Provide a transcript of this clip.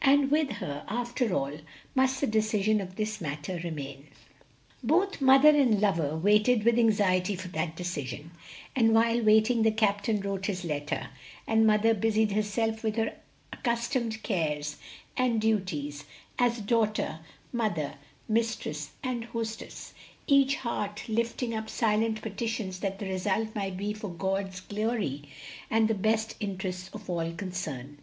And with her, after all, must the decision of this matter remain." Both mother and lover waited with anxiety for that decision, and while waiting the captain wrote his letter, the mother busied herself with her accustomed cares and duties as daughter, mother, mistress, and hostess, each heart lifting up silent petitions that the result might be for God's glory and the best interests of all concerned.